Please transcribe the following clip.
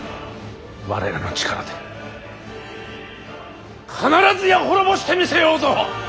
我らの力で必ずや滅ぼしてみせようぞ！